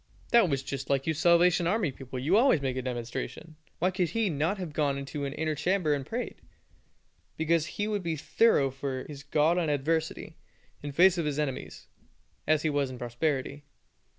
That was just like you Salvation Army people, you always make a demonstration. Why could he not have gone into an inner chamber and prayed?" Because he would be thorough for his God in adversity, in the face of his enemies, as he was in prosperity.